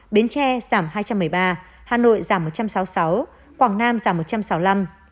bến tre giảm hai trăm một mươi ba hà nội giảm một trăm sáu mươi sáu quảng nam giảm một trăm sáu mươi năm